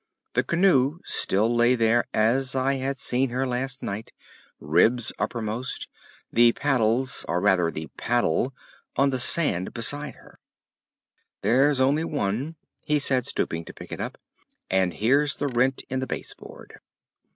The canoe still lay there as I had last seen her in the night, ribs uppermost, the paddles, or rather, the paddle, on the sand beside her. "There's only one," he said, stooping to pick it up. "And here's the rent in the base board."